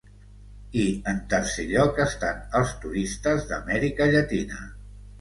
I en tercer lloc, estan els turistes d'Amèrica Llatina.